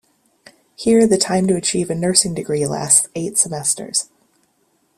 Here the time to achieve a nursing degree lasts eight semesters.